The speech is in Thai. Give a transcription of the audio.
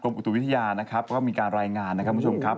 อุตุวิทยานะครับก็มีการรายงานนะครับคุณผู้ชมครับ